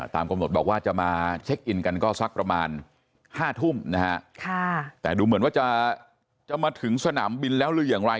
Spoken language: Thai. ตามกำหนดบอกว่าจะมาเช็คอินกันก็สักประมาณ๕ทุ่มนะฮะแต่ดูเหมือนว่าจะมาถึงสนามบินแล้วหรืออย่างไร